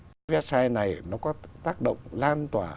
cái website này nó có tác động lan tỏa